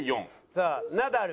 さあナダル。